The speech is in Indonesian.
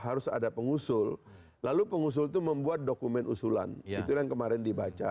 jadi itu ada pengusul lalu pengusul itu membuat dokumen usulan itulah yang kemarin dibaca